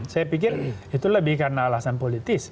saya pikir itu lebih karena alasan politis